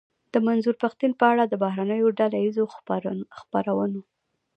د منظور پښتين په اړه د بهرنيو ډله ايزو خپرونو.